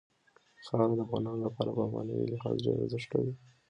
خاوره د افغانانو لپاره په معنوي لحاظ ډېر ارزښت لري.